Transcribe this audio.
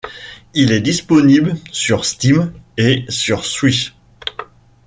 Il est disponible sur Steam et sur Switch.